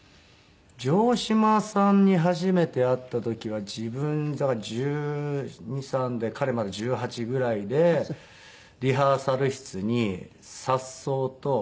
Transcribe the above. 城島さんに初めて会った時は自分１２１３で彼まだ１８ぐらいでリハーサル室に颯爽と。